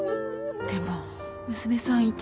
でも娘さん